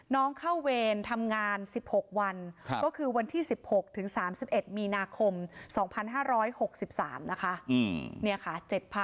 น้องเข้าเวรทำงาน๑๖วันก็คือวันที่๑๖ถึง๓๑มีนาคม๒๕๖๓นะคะ